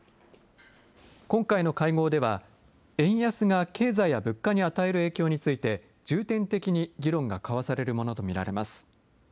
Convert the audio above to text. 今回の会合では、円安が経済や物価に与える影響について、重点的に議論が交わされるものと見られます。